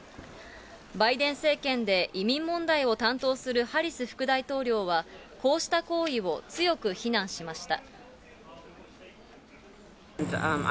バイデン政権で移民問題を担当するハリス副大統領は、こうした行為を強く非難しました。